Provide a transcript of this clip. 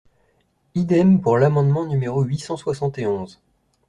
Idem pour l’amendement numéro huit cent soixante et onze.